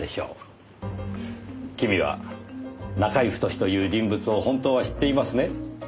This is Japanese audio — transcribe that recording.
君はナカイ・フトシという人物を本当は知っていますね？